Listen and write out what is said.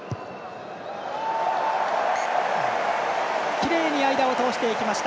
きれいに間を通していきました。